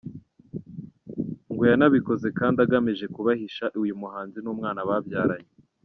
Ngo yanabikoze kandi agamije kubahisha uyu muhanzi n’umwana babyaranye.